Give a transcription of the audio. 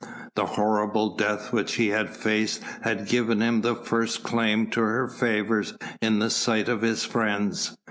The horrible death which he had faced had given him the first claim to her favours in the sight of his friends.